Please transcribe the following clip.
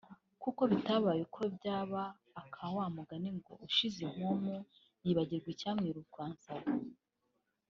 kuko bitabaye uko byaba akawa mugani ngo ushize impumu yibagirwa icyamwirukansaga